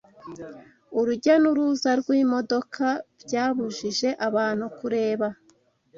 urujya n’uruza rw’imodoka byabujije abantu kureba